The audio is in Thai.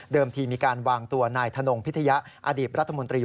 ทีมีการวางตัวนายธนงพิทยะอดีตรัฐมนตรี